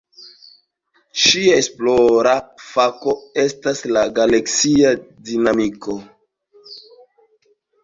Ŝia esplora fako estas la galaksia dinamiko.